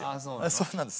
そうなんですよ。